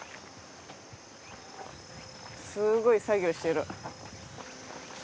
すごい作業してる。